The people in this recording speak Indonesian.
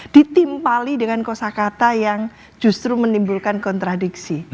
ditimpali dengan kosa kata yang justru menimbulkan kontradiksi